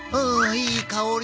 いい香り。